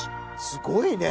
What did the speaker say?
すごいね。